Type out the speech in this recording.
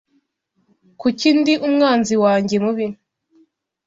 Kuki ndi umwanzi wanjye mubi '?